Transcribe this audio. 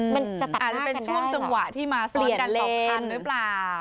มันจะตัดหน้ากันได้เหรอเปลี่ยนเล่นอาจจะเป็นช่วงจังหวะที่มาซ้อนกัน๒คันหรือเปล่า